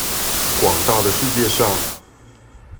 廣大的世界上